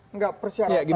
enggak persyaratannya harus